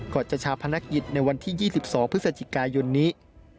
ก่อนจะชาวพนักกิจในวันที่๒๒พฤศจิกายนนี้